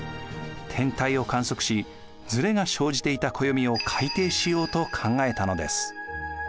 天体を観測しずれが生じていた暦を改訂しようと考えたのです。